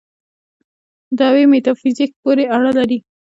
دعوې میتافیزیک پورې اړه لري.